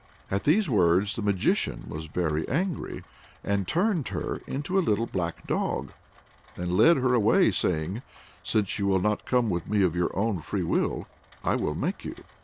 At these words the Magician was very angry, and turned her into a little black dog, and led her away; saying, "Since you will not come with me of your own free will, I will make you."